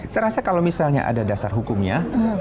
saya rasa kalau misalnya ada dasar hukumnya